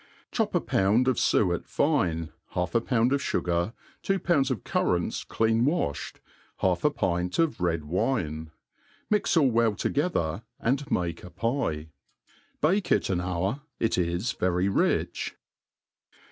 ^ Chop a pound of fuet fine, half a pound of fugar, two pounds of currants clean waihed, half a pint of red wine; mix all well together,' and make a pie. Bake if an hour : it is very rich.